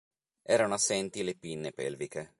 Erano assenti le pinne pelviche.